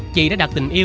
chị đã đặt tình yêu